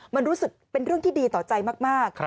มันรู้สึกเป็นเรื่องที่ดีต่อใจมาก